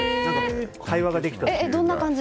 会話ができたと。